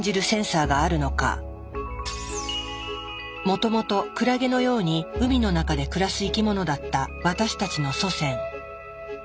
もともとクラゲのように海の中で暮らす生き物だった私たちの祖先。